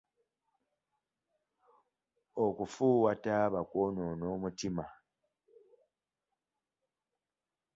Okufuuwa taaba kwonoona omutima.